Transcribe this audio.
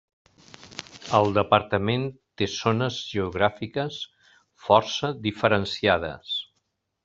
El departament té zones geogràfiques força diferenciades.